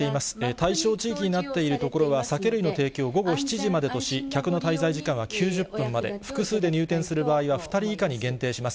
対象地域になっている所は、酒類の提供を午後７時までとし、客の滞在時間は９０分まで、複数で入店する場合は２人以下に限定します。